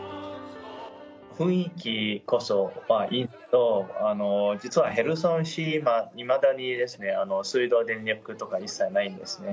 雰囲気こそいいけど、実はヘルソン市、いまだに水道、電力とか一切ないんですね。